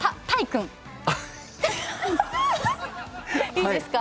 いいですか。